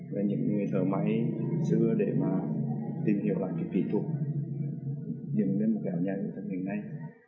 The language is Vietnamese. và những người thợ máy xưa để mà tìm hiểu lại cái kỹ thuật dành đến một cái áo dài ngủ thân hình này